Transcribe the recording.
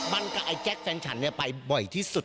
มันกับไอ้แจ๊คแฟนฉันไปบ่อยที่สุด